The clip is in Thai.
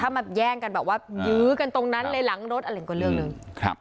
มาแย่งกันแบบว่ายื้อกันตรงนั้นเลยหลังรถอะไรก็เรื่องหนึ่ง